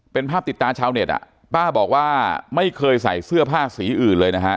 เป็นภาพติดตาชาวเน็ตอ่ะป้าบอกว่าไม่เคยใส่เสื้อผ้าสีอื่นเลยนะฮะ